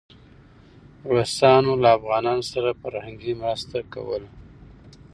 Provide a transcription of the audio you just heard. روسان له افغانانو سره فرهنګي مرسته کوله.